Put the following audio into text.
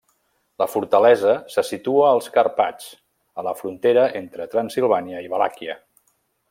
La fortalesa se situa als Carpats, a la frontera entre Transsilvània i Valàquia.